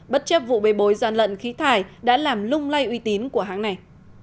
bất chấp vụ bề bối doan lận khí thải đã làm lung lay uy tín của hãng này